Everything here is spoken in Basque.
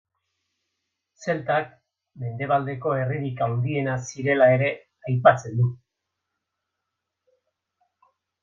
Zeltak Mendebaldeko herririk handiena zirela ere aipatzen du.